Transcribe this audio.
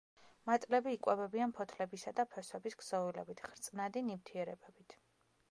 მატლები იკვებებიან ფოთლებისა და ფესვების ქსოვილებით, ხრწნადი ნივთიერებებით.